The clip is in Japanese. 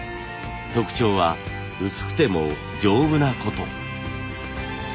特徴は薄くても丈夫なこと。